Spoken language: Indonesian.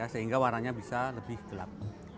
sehingga warnanya bisa lebih gelap